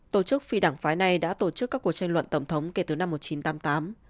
tổ chức phi đảng phái này đã tổ chức các cuộc tranh luận tổng thống kể từ năm một nghìn chín trăm tám mươi tám